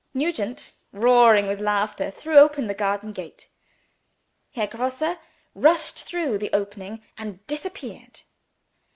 Nugent, roaring with laughter, threw open the garden gate. Herr Grosse rushed through the opening, and disappeared.